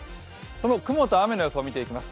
雲と雨の様子を見ていきます。